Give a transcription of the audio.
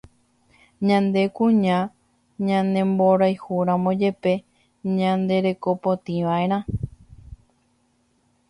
Ñande kuña ñanemboriahúramo jepe ñanderekopotĩva'erã